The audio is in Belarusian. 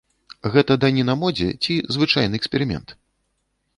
Гэта даніна модзе ці звычайны эксперымент?